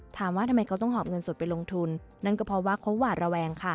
ถามว่าทำไมเขาต้องหอบเงินสดไปลงทุนนั่นก็เพราะว่าเขาหวาดระแวงค่ะ